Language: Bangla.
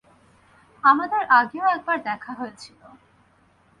আমাদের আগেও একবার দেখা হয়েছিল।